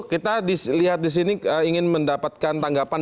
kita lihat disini ingin mendapatkan tanggapan